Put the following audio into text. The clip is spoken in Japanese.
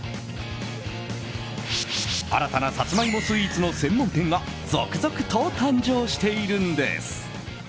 新たなサツマイモスイーツの専門店が続々と誕生しているんです。